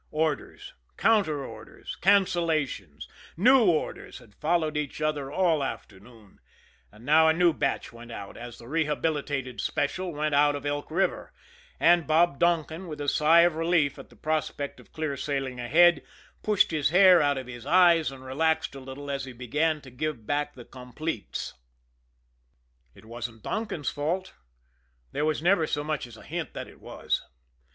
Orders, counter orders, cancellations, new orders had followed each other all afternoon and now a new batch went out, as the rehabilitated Special went out of Elk River, and Bob Donkin, with a sigh of relief at the prospect of clear sailing ahead, pushed the hair out of his eyes and relaxed a little as he began to give back the "completes." It wasn't Donkin's fault; there was never so much as a hint that it was.